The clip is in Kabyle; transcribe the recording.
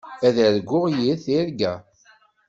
Ad yargu yir tirga.